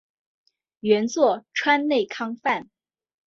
原作川内康范。